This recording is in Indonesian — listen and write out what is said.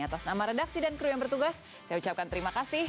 atas nama redaksi dan kru yang bertugas saya ucapkan terima kasih